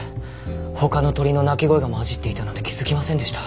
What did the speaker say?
他の鳥の鳴き声が交じっていたなんて気づきませんでした。